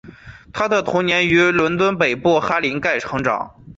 她童年于伦敦北部哈林盖成长。